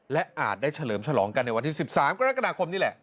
และอาจได้เฉลิมฉลองกันในวันที่๑๓กรกฎาคมนี่แหละ